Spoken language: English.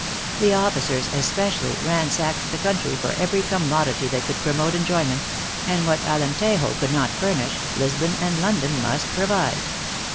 The officers, especially, ransacked the country for every commodity that could promote enjoyment ; and what Alerntejo could not furnish, Lis bon and London must provide.